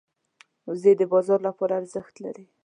وزې د بازار لپاره ارزښت لري